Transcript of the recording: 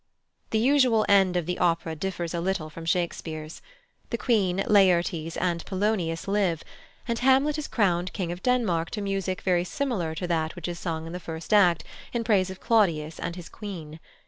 The usual end of the opera differs a little from Shakespeare's. The Queen, Laertes, and Polonius live, and Hamlet is crowned King of Denmark to music very similar to that which is sung in the first act, in praise of Claudius and his Queen.